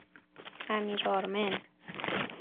امیرآرمن